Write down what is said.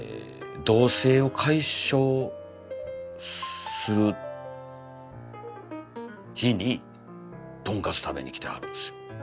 同せいを解消する日にとんかつ食べにきてはるんですよ。